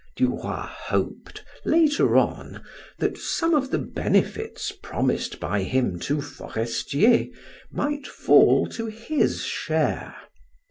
Du Roy hoped, later on, that some of the benefits promised by him to Forestier might fall to his share.